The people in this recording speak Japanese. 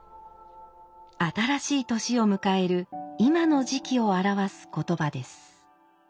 新しい年を迎える今の時期を表す言葉です。